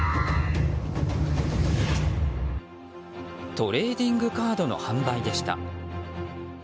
トレーディングカードの販売でした。